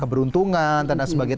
keberuntungan dan sebagainya